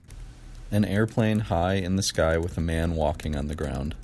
An airplane high in the sky with a man walking on the ground.